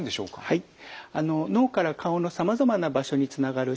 はい。